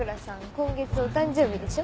今月お誕生日でしょ？